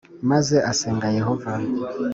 Maze asenga yehova